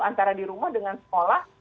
antara di rumah dengan sekolah